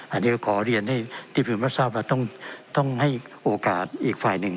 อันนี้ก็ขอเรียนให้ที่ฟิวเมอร์ซาบต้องให้โอกาสอีกฝ่ายหนึ่ง